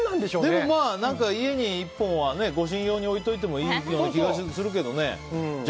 でも、家に１本は護身用に置いておいてもいいような気もするけどね。